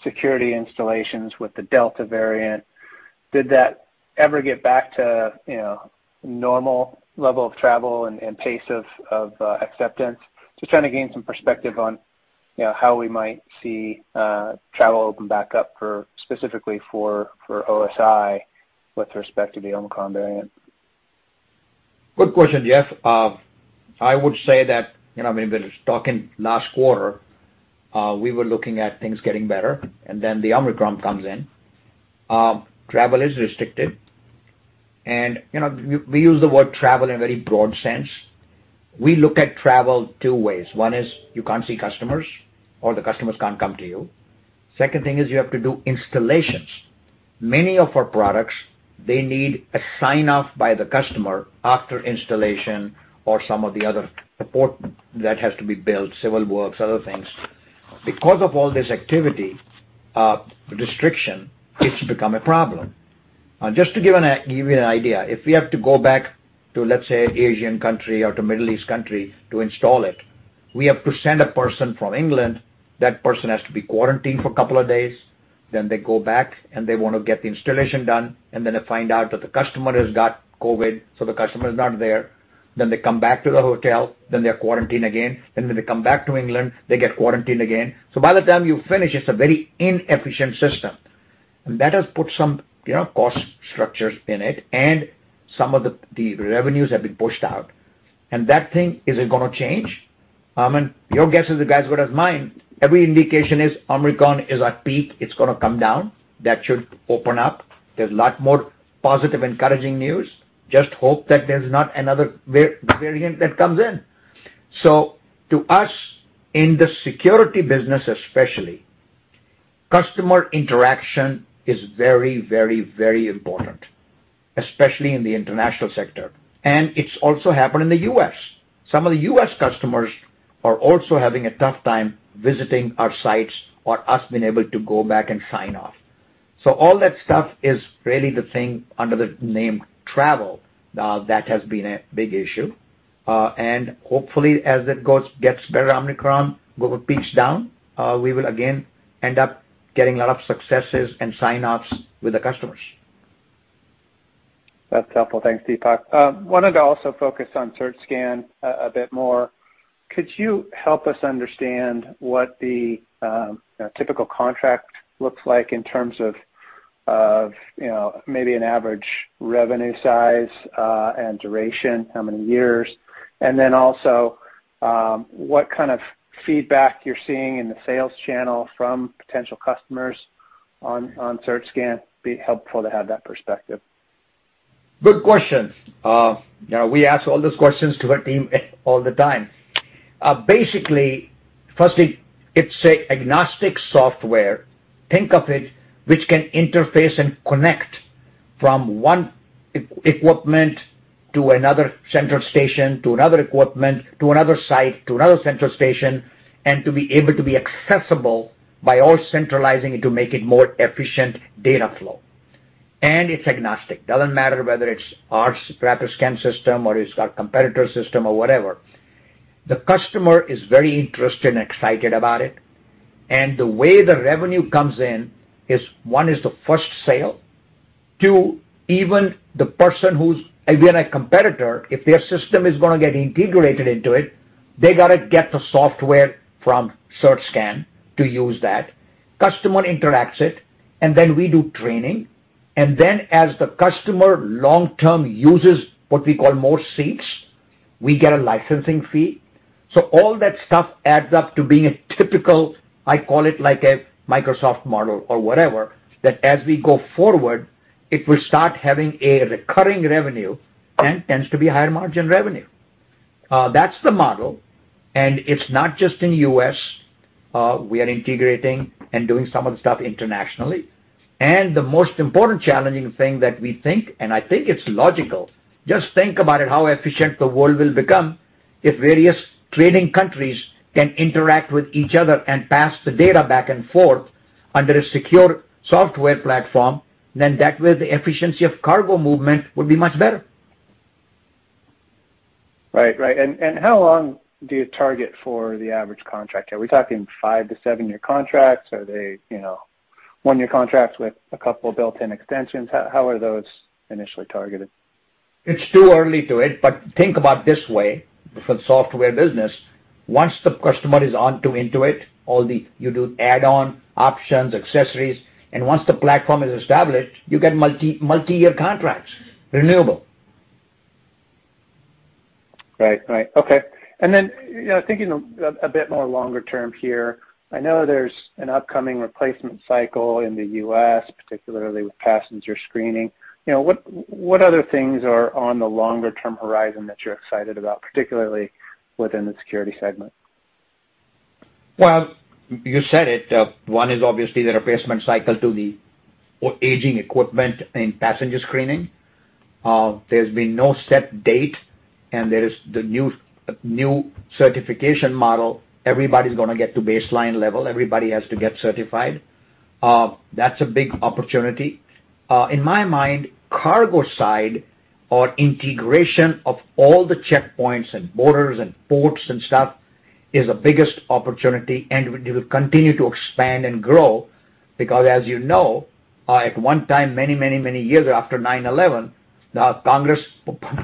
security installations with the Delta variant? Did that ever get back to normal level of travel and pace of acceptance? Just trying to gain some perspective on how we might see travel open back up specifically for OSI with respect to the Omicron variant. Good question, Jeff. I would say that, you know, I mean, we're talking last quarter, we were looking at things getting better, and then the Omicron comes in. Travel is restricted. You know, we use the word travel in a very broad sense. We look at travel two ways. One is you can't see customers, or the customers can't come to you. Second thing is you have to do installations. Many of our products, they need a sign-off by the customer after installation or some of the other support that has to be built, civil works, other things. Because of all this activity, restriction, it's become a problem. Just to give you an idea, if we have to go back to, let's say, Asian country or to Middle East country to install it, we have to send a person from England. That person has to be quarantined for a couple of days. Then they go back, and they wanna get the installation done, and then they find out that the customer has got COVID, so the customer is not there. Then they come back to the hotel, then they're quarantined again. Then when they come back to England, they get quarantined again. By the time you finish, it's a very inefficient system. That has put some, you know, cost structures in it, and some of the revenues have been pushed out. That thing, is it gonna change? Martin, your guess is as good as mine. Every indication is Omicron is at peak. It's gonna come down. That should open up. There's a lot more positive, encouraging news. Just hope that there's not another variant that comes in. To us, in the Security business especially, customer interaction is very important, especially in the international sector. It's also happened in the U.S. Some of the U.S. customers are also having a tough time visiting our sites or us being able to go back and sign off. All that stuff is really the thing under the name travel that has been a big issue. Hopefully, as it gets better, Omicron will peak down. We will again end up getting a lot of successes and sign offs with the customers. That's helpful. Thanks, Deepak. I wanted to also focus on CertScan a bit more. Could you help us understand what the typical contract looks like in terms of you know, maybe an average revenue size and duration, how many years? Also, what kind of feedback you're seeing in the sales channel from potential customers on CertScan. It would be helpful to have that perspective. Good question. You know, we ask all those questions to our team all the time. Basically, firstly, it's an agnostic software, think of it, which can interface and connect from one equipment to another central station, to another equipment, to another site, to another central station, and to be able to be accessible by all centralizing it to make it more efficient data flow. It's agnostic. Doesn't matter whether it's our Rapiscan system or it's our competitor system or whatever. The customer is very interested and excited about it. The way the revenue comes in is, one is the first sale. Two, even the person who's, again, a competitor, if their system is gonna get integrated into it, they gotta get the software from CertScan to use that. Customer integrates it, and then we do training. As the customer long-term uses what we call more seats, we get a licensing fee. All that stuff adds up to being a typical, I call it like a Microsoft model or whatever, that as we go forward, it will start having a recurring revenue and tends to be higher margin revenue. That's the model. It's not just in U.S., we are integrating and doing some of the stuff internationally. The most important challenging thing that we think, and I think it's logical, just think about it, how efficient the world will become if various trading countries can interact with each other and pass the data back and forth under a secure software platform, then that way, the efficiency of cargo movement will be much better. Right. How long do you target for the average contract? Are we talking 5-to-7-year contracts? Are they, you know, 1-year contracts with a couple built-in extensions? How are those initially targeted? It's too early to tell, but think about it this way for the software business. Once the customer is into it, all the add-on options, accessories, and once the platform is established, you get multi-year contracts, renewable. Then thinking a bit more longer term here, I know there's an upcoming replacement cycle in the U.S., particularly with passenger screening. You know, what other things are on the longer-term horizon that you're excited about, particularly within the Security segment? Well, you said it. One is obviously the replacement cycle to the aging equipment in passenger screening. There's been no set date, and there is the new certification model. Everybody's gonna get to baseline level. Everybody has to get certified. That's a big opportunity. In my mind, cargo side or integration of all the checkpoints and borders and ports and stuff is the biggest opportunity, and it will continue to expand and grow because, as you know, at one time, many years after 9/11, the Congress,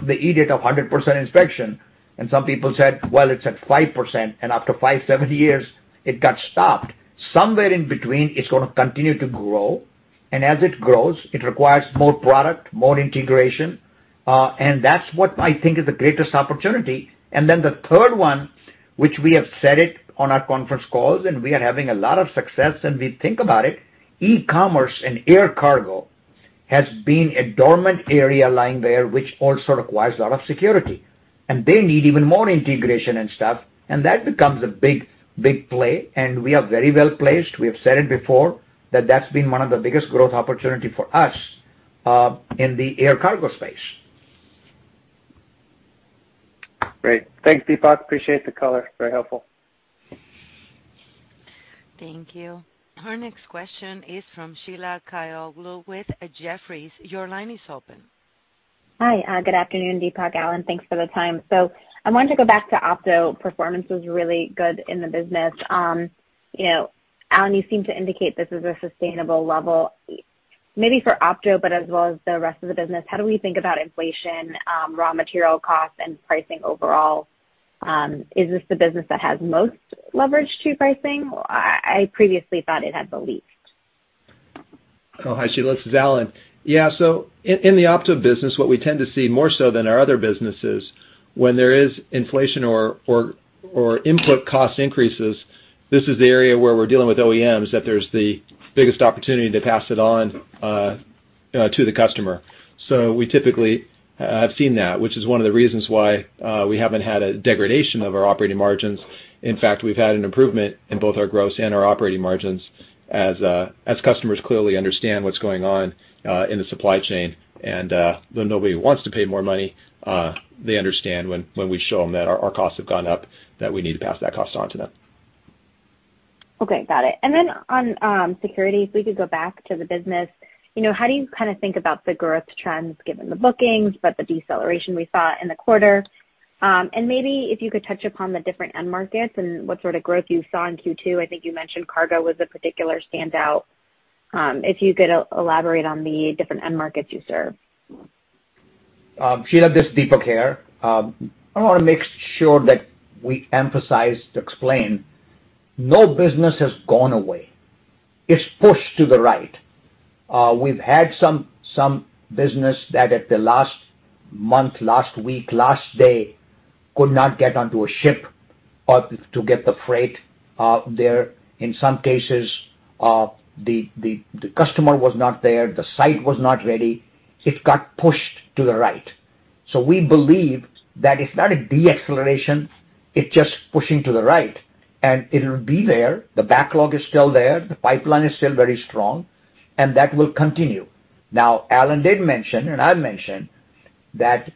they mandated 100% inspection, and some people said, "Well, it's at 5%." After 5-7 years, it got stopped. Somewhere in between, it's gonna continue to grow. As it grows, it requires more product, more integration, and that's what I think is the greatest opportunity. Then the third one, which we have said it on our conference calls, and we are having a lot of success, and we think about it, e-commerce and air cargo has been a dormant area lying there, which also requires a lot of security. They need even more integration and stuff, and that becomes a big, big play. We are very well-placed. We have said it before that that's been one of the biggest growth opportunity for us in the air cargo space. Great. Thanks, Deepak. Appreciate the color. Very helpful. Thank you. Our next question is from Sheila Kahyaoglu with Jefferies. Your line is open. Hi. Good afternoon, Deepak, Alan. Thanks for the time. I wanted to go back to Opto. Performance was really good in the business. You know, Alan, you seem to indicate this is a sustainable level, maybe for Opto, but as well as the rest of the business. How do we think about inflation, raw material costs, and pricing overall? Is this the business that has most leverage to pricing? I previously thought it had the least. Oh, hi, Sheila. This is Alan. In the Opto business, what we tend to see more so than our other businesses, when there is inflation or input cost increases, this is the area where we're dealing with OEMs, that there's the biggest opportunity to pass it on to the customer. We typically have seen that, which is one of the reasons why we haven't had a degradation of our operating margins. In fact, we've had an improvement in both our gross and our operating margins as customers clearly understand what's going on in the supply chain. Though nobody wants to pay more money, they understand when we show them that our costs have gone up, that we need to pass that cost on to them. Okay, got it. On Security, if we could go back to the business how do you think about the growth trends given the bookings, but the deceleration we saw in the quarter? And maybe if you could touch upon the different end markets and what sort of growth you saw in Q2. I think you mentioned cargo was a particular standout. If you could elaborate on the different end markets you serve. Sheila, this is Deepak here. I wanna make sure that we emphasize to explain, no business has gone away. It's pushed to the right. We've had some business that at the last month, last week, last day could not get onto a ship or to get the freight, there. In some cases, the customer was not there, the site was not ready. It got pushed to the right. We believe that it's not a deceleration, it's just pushing to the right, and it'll be there. The backlog is still there, the pipeline is still very strong, and that will continue. Now, Alan did mention, and I mentioned, that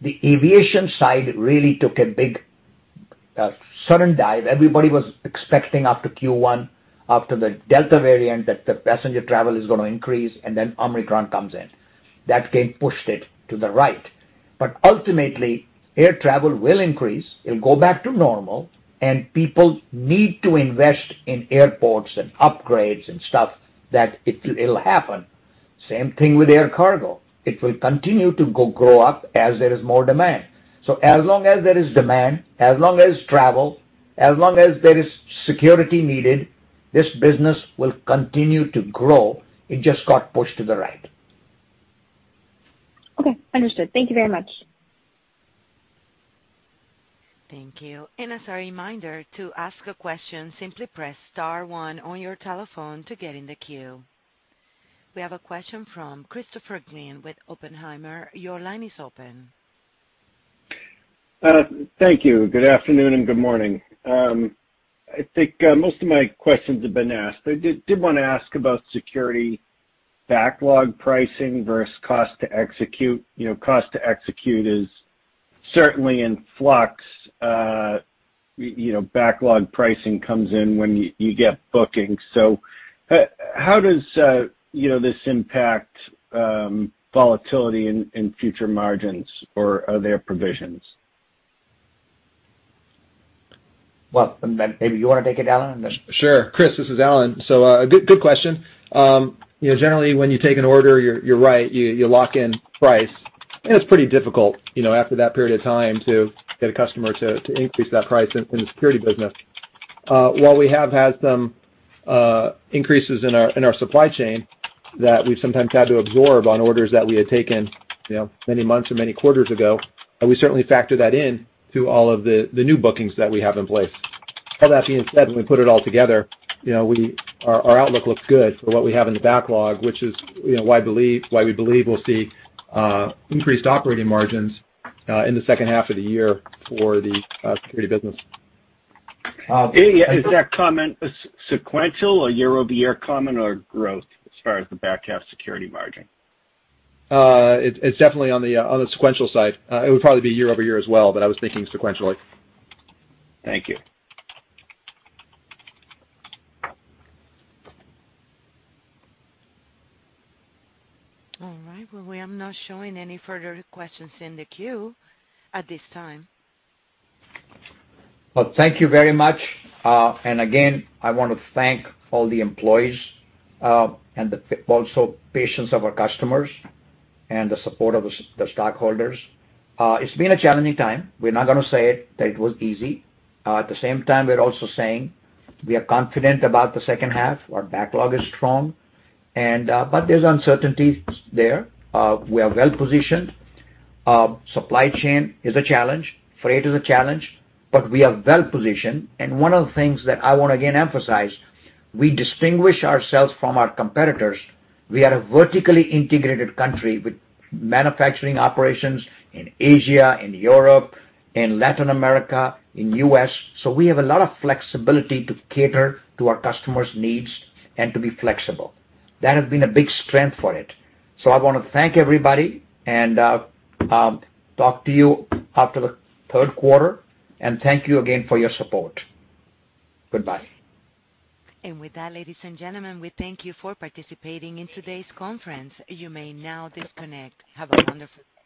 the aviation side really took a big, sudden dive. Everybody was expecting after Q1, after the Delta variant, that the passenger travel is gonna increase, and then Omicron comes in. That came, pushed it to the right. Ultimately, air travel will increase, it'll go back to normal, and people need to invest in airports and upgrades and stuff. It'll happen. Same thing with air cargo. It will continue to grow as there is more demand. As long as there is demand, as long as travel, as long as there is security needed, this business will continue to grow. It just got pushed to the right. Okay. Understood. Thank you very much. Thank you. As a reminder to ask a question, simply press star one on your telephone to get in the queue. We have a question from Christopher Glynn with Oppenheimer. Your line is open. Thank you. Good afternoon and good morning. I think most of my questions have been asked. I did wanna ask about Security backlog pricing versus cost to execute. Cost to execute is certainly in flux. Backlog pricing comes in when you get bookings. How does this impact volatility in future margins or are there provisions? Well, maybe you wanna take it, Alan, and then. Sure. Chris, this is Alan. Good question. Generally when you take an order, you're right, you lock in price, and it's pretty difficult, you know, after that period of time to get a customer to increase that price in the Security business. While we have had some increases in our supply chain that we've sometimes had to absorb on orders that we had taken, you know, many months or many quarters ago, and we certainly factor that in to all of the new bookings that we have in place. All that being said, when we put it all together, you know, our outlook looks good for what we have in the backlog, which is, you know, why we believe we'll see increased operating margins in the second half of the year for the Security business. Is that comment sequential or year-over-year comment or growth as far as the back half Security margin? It's definitely on the sequential side. It would probably be year over year as well, but I was thinking sequentially. Thank you. All right. Well, we are not showing any further questions in the queue at this time. Well, thank you very much. And again, I wanna thank all the employees, and also the patience of our customers and the support of the stockholders. It's been a challenging time. We're not gonna say it that it was easy. At the same time, we're also saying we are confident about the second half. Our backlog is strong, and but there's uncertainties there. We are well-positioned. Supply chain is a challenge. Freight is a challenge, but we are well-positioned. One of the things that I wanna again emphasize, we distinguish ourselves from our competitors. We are a vertically integrated company with manufacturing operations in Asia, in Europe, in Latin America, in the U.S. So we have a lot of flexibility to cater to our customers' needs and to be flexible. That has been a big strength for it. I wanna thank everybody and talk to you after the third quarter, and thank you again for your support. Goodbye. With that, ladies and gentlemen, we thank you for participating in today's conference. You may now disconnect. Have a wonderful day.